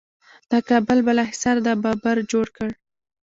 د کابل بالا حصار د بابر جوړ کړ